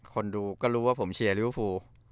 คนดูก็รู้ว่าผมฉีอรี่ว่าฟู